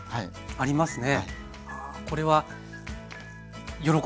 ありますね。